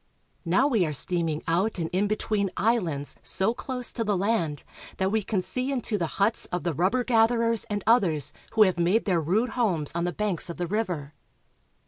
Now we are steaming out and in between islands so close to the land that we can see into the huts of the rubber gatherers and others who have made their rude homes on the banks of the river.